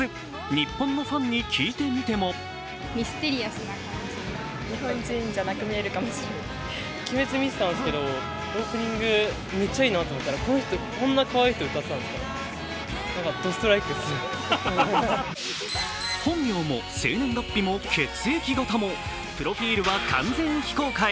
日本のファンに聞いてみても本名も生年月日も血液型もプロフィールは完全非公開。